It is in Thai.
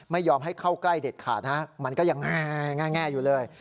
ไม่ยอมให้เข้าใกล้เด็ดขาดฮะมันก็ยังแง่อยู่เลย